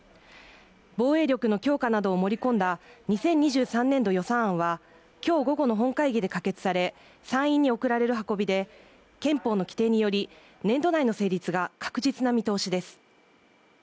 防衛力の強化などを盛り込んだ２０２３年度予算案は今日午後の本会議で可決され、参院に送られる運びで、憲法の規定により年度内の成立が確実な見通しです。